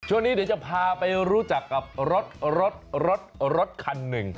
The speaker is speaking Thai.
ช่วงนี้เดี๋ยวจะพาไปรู้จักกับรถรถคันหนึ่ง